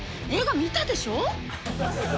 映画見たでしょ？